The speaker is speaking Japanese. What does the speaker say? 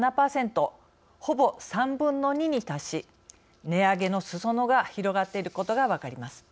ほぼ３分の２に達し値上げのすそ野が広がっていることが分かります。